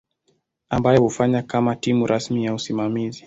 ambayo hufanya kama timu rasmi ya usimamizi.